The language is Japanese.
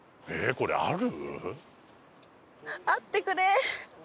これある？